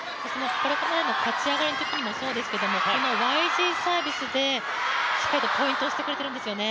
立ち上がりのときもそうですが、ＹＧサービスでしっかりとポイントしてくれてるんですよね。